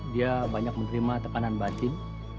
dia banyak menerima tekanan batin